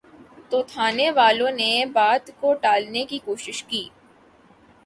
تو تھانے والوں نے بات کو ٹالنے کی کوشش کی۔